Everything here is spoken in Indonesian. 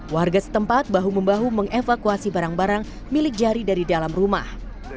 warga setempat bahu membahu mengevakuasi barang barang milik jari dari dalam rumah